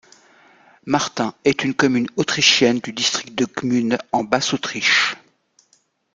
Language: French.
Martin est une commune autrichienne du district de Gmünd en Basse-Autriche.